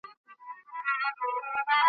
که ناوخته درته راغلم بهانې چي هېر مي نه کې .